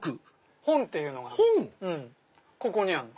「本」っていうのがあんの。